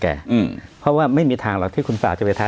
อืมเพราะว่าไม่มีทางหรอกที่คุณฝ่าจะไปทำ